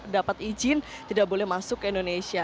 dapat izin tidak boleh masuk ke indonesia